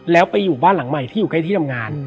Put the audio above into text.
แล้วไปอยู่บ้านหลังใหม่ที่อยู่ใกล้ที่ทำงาน